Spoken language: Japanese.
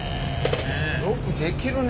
よくできるね。